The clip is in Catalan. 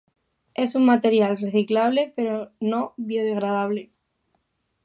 És un material reciclable però no biodegradable.